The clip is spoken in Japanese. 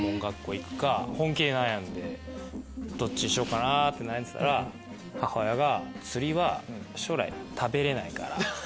どっちにしようかなって悩んでたら母親が釣りは将来食べれないから。